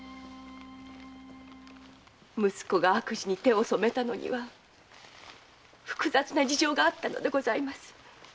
息子が悪事に手を染めたのには複雑な事情があったのです。